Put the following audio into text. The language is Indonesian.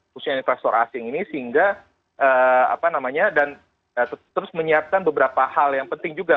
khususnya investor asing ini sehingga apa namanya dan terus menyiapkan beberapa hal yang penting juga